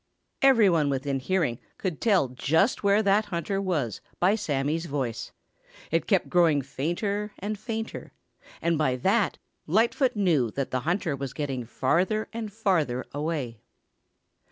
Every one within hearing could tell just where that hunter was by Sammy's voice. It kept growing fainter and fainter, and by that Lightfoot knew that the hunter was getting farther and farther away.